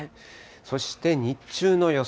そして日中の予想